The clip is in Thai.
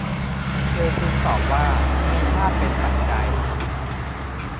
เธอพึงตอบว่า มีชาติเป็นปัจจัย